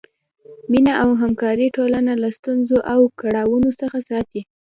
مینه او همکاري ټولنه له ستونزو او کړاوونو څخه ساتي.